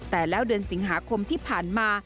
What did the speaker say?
แต่แล้วเดือนสิงหาคมที่ผ่านมา